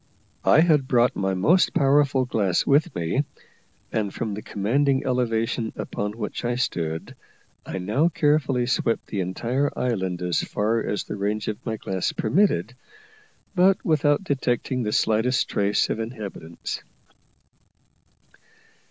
I had brought my most powerful glass with me, and from the commanding elevation upon which I stood, I now carefully swept the entire island as far as the range of my glass permitted, but without detecting the slightest trace of inhabitants.